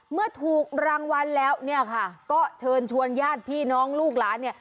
เมื่อถูกรางวัลแล้วก็เชิญชวนญาติพี่น้องลูกหลาน